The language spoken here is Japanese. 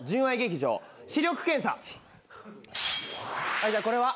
はいじゃあこれは？